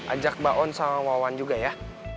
ajak mbak on sama mbak wan juga ya